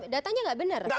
datanya nggak benar